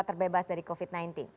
terbebas dari covid sembilan belas